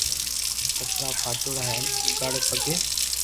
ڪپڙا پھاٽوڙا ھين اوگاڙي پگي